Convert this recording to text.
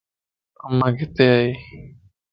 امان ڪٿي ائي